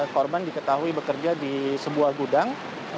korban diketahui bekerja di sebuah gudang